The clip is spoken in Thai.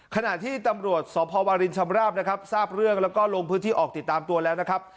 ขณะที่ตำรวจสพวรินชำราบนะครับทราบเรื่องแล้วก็ลงพื้นที่ออกติดตามตัวแล้วนะครับ